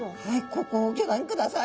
ここをギョ覧ください。